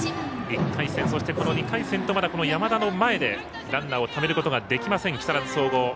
１回戦、そして２回戦とまだ山田の前でランナーをためることができません木更津総合。